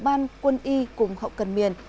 ban quân y cùng hậu cần miền